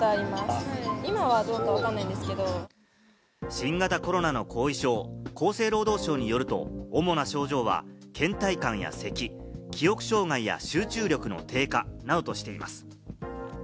新型コロナの後遺症は厚生労働省によると、主な症状は倦怠感や咳、記憶障害や集中力の低下などとしています。